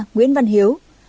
ba nguyễn văn hiếu